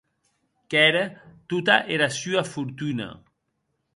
Qu’ère tota era sua fortuna.